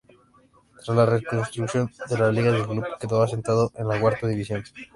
Tras la reestructuración de las ligas, el club quedó asentado en la Cuarta División.